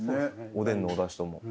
おでんのおだしとも。